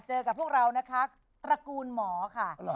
กับพวกเรานะคะตระกูลหมอค่ะ